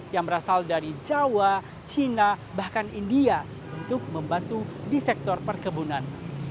yang berasal dari jawa cina bahkan india untuk membantu di sektor perkebunan